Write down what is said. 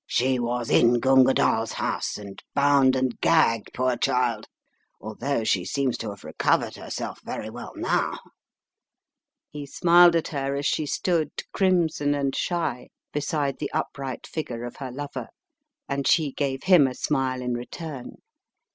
"She was in Gunga DalTs house, and bound and gagged, poor child, although she seems to have recovered herself very well now." He smiled at her as she stood crimson and shy beside the upright figure of her lover, and she gave him a smile in return.